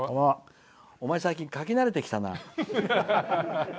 お前、最近書きなれてきたな。